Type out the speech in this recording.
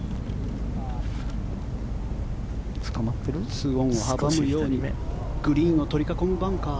２オンを阻むようにグリーンを取り囲むバンカー。